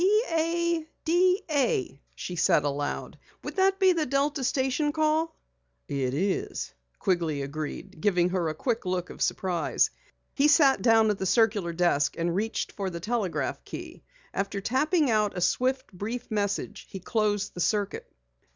"D A, D A," she said aloud. "Would that be the Delta station call?" "It is," Quigley agreed, giving her a quick look of surprise. He sat down at the circular desk and reached for the telegraph key. After tapping out a swift, brief message, he closed the circuit.